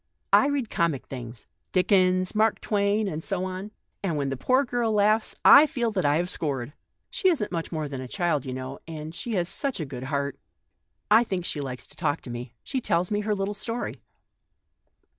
I read comic things — Dickens, Mark Twain, and so on ; and when the poor girl laughs, I feel that I have scored one. She isn't much more than a child, you know, and she has such a good heart. I think she likes to talk to me ; she tells me her little story."